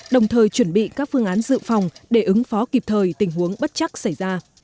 đồng thời chuẩn bị các phương án dự phòng để ứng phó kịp thời tình huống bất chắc xảy ra